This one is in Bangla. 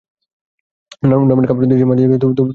নরম্যানের কাপুরুষ দৃষ্টির মাঝ দিয়ে তোমাকে দেখেছি আমি।